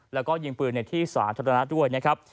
แล้วก็ยิงปืนในที่สาธารณะด้วยนะครับ